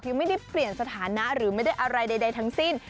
ยังไม่ได้เปลี่ยนสถานะหรือไม่ได้อะไรใดทั้งสิ้น